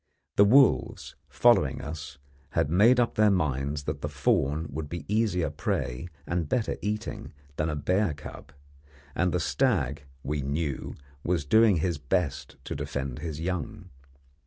The wolves, following us, had made up their minds that the fawn would be easier prey and better eating than a bear cub; and the stag, we knew, was doing his best to defend his young.